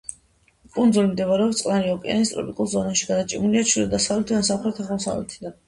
კუნძული მდებარეობს წყნარი ოკეანის ტროპიკულ ზონაში, გადაჭიმულია ჩრდილო-დასავლეთიდან სამხრეთ-აღმოსავლეთისაკენ.